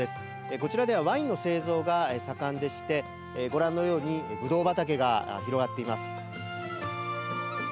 こちらではワインの製造が盛んでしてご覧のようにぶどう畑が広がっています。